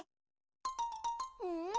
うん？